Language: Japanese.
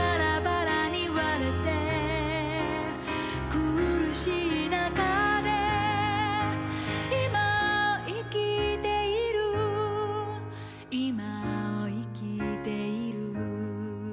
「苦しい中で今を生きている」「今を生きている」